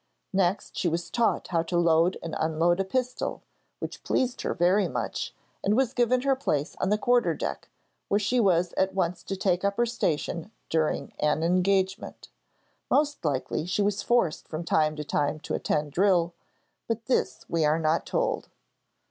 Next she was taught how to load and unload a pistol, which pleased her very much, and was given her place on the quarter deck, where she was at once to take up her station during an engagement. Most likely she was forced from time to time to attend drill, but this we are not told.